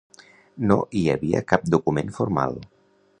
No hi havia cap document formal.